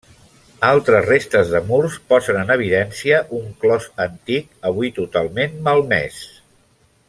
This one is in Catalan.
Altres restes de murs posen en evidència un clos antic, avui totalment malmès.